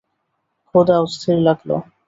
খোদা, অস্থির লাগলো।